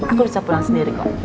aku bisa pulang sendiri kok